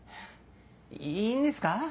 いいんですか？